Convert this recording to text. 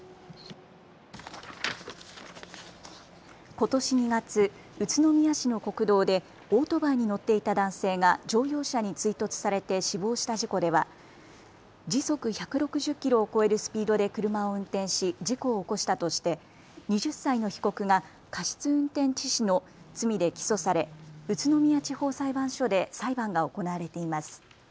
ことし２月、宇都宮市の国道でオートバイに乗っていた男性が乗用車に追突されて死亡した事故では時速１６０キロを超えるスピードで車を運転し事故を起こしたとして２０歳の被告が過失運転致死の罪で起訴され宇都宮地方裁判所で裁判が行われています。